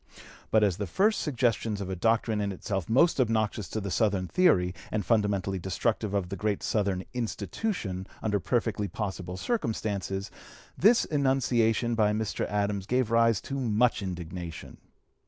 But, as the first suggestions of a doctrine in itself most obnoxious to the Southern theory and fundamentally destructive of the great Southern "institution" under perfectly possible circumstances, this enunciation by Mr. Adams gave rise to much indignation.